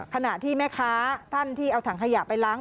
ขณะที่แม่ค้าท่านที่เอาถังขยะไปล้าง